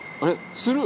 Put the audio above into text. スルー？」